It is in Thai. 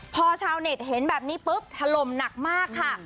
พอชาวเน็ตเห็นแบบนี้ปุ๊บถล่มหนักมากค่ะ